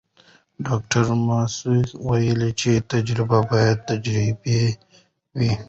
ډاکټره ماسي وویل چې تجربه باید تدریجي وي.